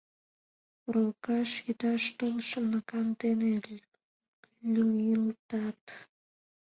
Урлыкаш йодаш толшым наган дене лӱйылтат!